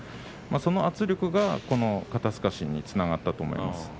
その圧力が、肩すかしにつながったと思います。